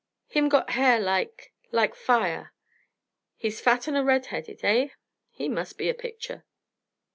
Him got hair like like fire." "He's fat and red headed, eh? He must be a picture."